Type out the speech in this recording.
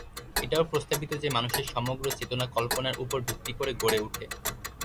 এটাও প্রস্তাবিত যে মানুষের সমগ্র চেতনা কল্পনার উপর ভিত্তি করে গড়ে উঠে।